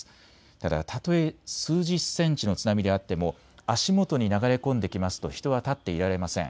ただ、たとえ数十センチの津波であっても足元に流れ込んできますと人は立っていられません。